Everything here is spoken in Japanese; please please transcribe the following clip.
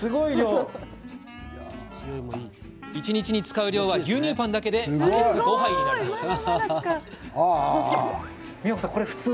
一日に使う量は牛乳パンだけでバケツ５杯になるそうです。